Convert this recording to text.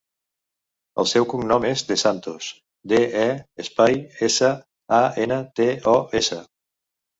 El seu cognom és De Santos: de, e, espai, essa, a, ena, te, o, essa.